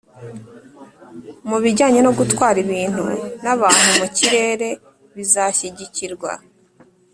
mu bijyanye no gutwara ibintu n'abantu mu kirere bizashyigikirwa.